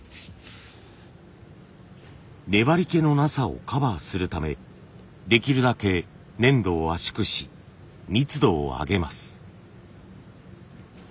粘りけのなさをカバーするためできるだけ粘土を圧縮し密度を上げます。